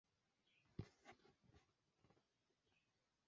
Li estis larĝe konata ankaŭ pro siaj verkoj en pentrado kaj literaturo.